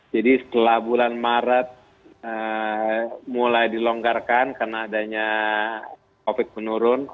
jadi setelah bulan maret mulai dilonggarkan karena adanya covid menurun